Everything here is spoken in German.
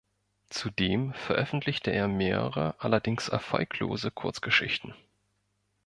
Zudem veröffentlichte er mehrere, allerdings erfolglose, Kurzgeschichten.